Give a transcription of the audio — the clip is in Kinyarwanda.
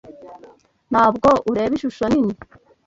Ntabwo ureba ishusho nini.